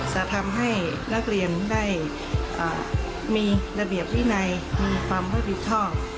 จะทำให้นักเรียนได้มีระเบียบวินัยมีความรับผิดชอบ